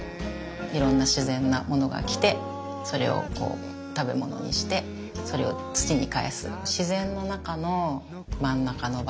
いろんな自然なものが来てそれをこう食べ物にしてそれを土に返す自然の中の真ん中の場所かなと思ってます。